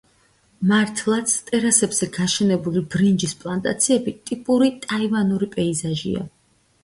მართლაც, ტერასებზე გაშენებული ბრინჯის პლანტაციები ტიპური ტაივანური პეიზაჟია.